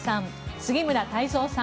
杉村太蔵さん